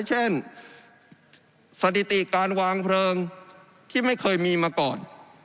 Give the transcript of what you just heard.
เช่นสถิติการวางเพลิงที่ไม่เคยมีมาก่อน